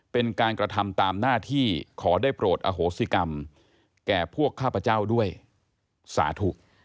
เป็นการกระทำตามหน้าที่ขอได้โปรดอโหสิกรรมแก่พวกข้าพเจ้าด้วยสาธุ